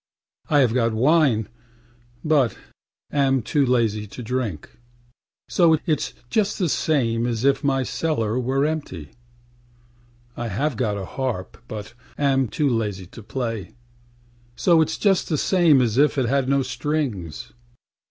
I have got wine, but am too lazy to drink; So itâs just the same as if my cellar were empty. I have got a harp, but am too lazy to play; So itâs just the same as if it had no strings.